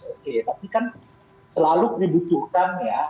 oke tapi kan selalu dibutuhkan ya